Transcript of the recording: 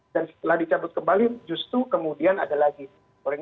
dan setelah dicabut kembali justru kemudian ada lagi goreng